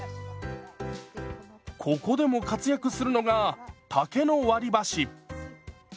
ここでも活躍するのが竹の割り箸。